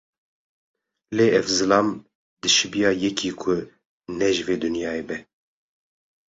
Lê ev zilam, dişibiya yekî ku ne ji vê dinyayê be.